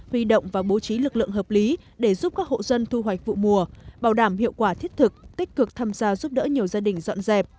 huy động và bố trí lực lượng hợp lý để giúp các hộ dân thu hoạch vụ mùa bảo đảm hiệu quả thiết thực tích cực tham gia giúp đỡ nhiều gia đình dọn dẹp